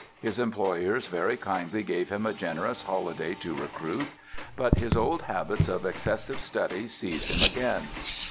His employers very kindly gave him a generous holiday to recruit; but his old habits of excessive study seized him again.